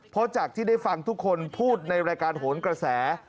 เพราะจากที่ได้ฟังทุกคนพูดในรายการโหนกระแส